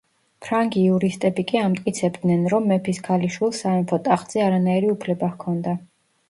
ფრანგი იურისტები კი ამტკიცებდნენ, რომ მეფის ქალიშვილს სამეფო ტახტზე არანაირი უფლება ჰქონდა.